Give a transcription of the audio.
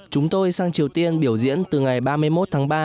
chúng tôi sang triều tiên biểu diễn từ ngày ba mươi một tháng ba